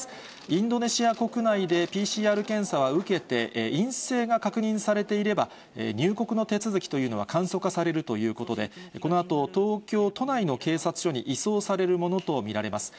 インドネシア国内でＰＣＲ検査は受けて、陰性が確認されていれば、入国の手続きというのは簡素化されるということで、このあと、東京都内の警察署に移送されるものと見られます。